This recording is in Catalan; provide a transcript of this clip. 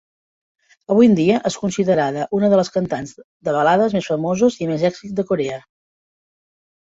Avui en dia és considerada una de les cantants de balades més famoses i amb més èxit de Corea.